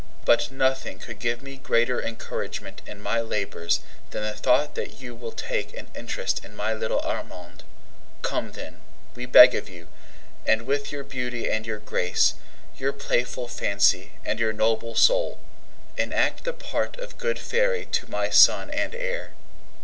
But nothing could give me greater encouragement in my labors than the thought that you will take an interest in my little Armand. Come, then, we beg of you, and with your beauty and your grace, your playful fancy and your noble soul, enact the part of good fairy to my son and heir.